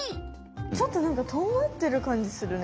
ちょっとなんかとんがってるかんじするね。